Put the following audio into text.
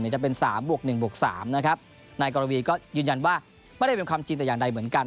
จะเป็นสามบวก๑บวกสามนะครับนายกรวีก็ยืนยันว่าไม่ได้เป็นความจริงแต่อย่างใดเหมือนกัน